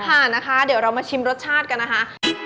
ค่ะนะคะเดี๋ยวเรามาชิมรสชาติกันนะคะ